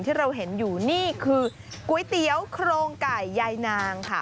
ที่เราเห็นอยู่นี่คือก๋วยเตี๋ยวโครงไก่ยายนางค่ะ